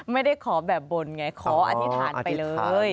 ไม่ได้ขอแบบบนไงขออธิษฐานไปเลย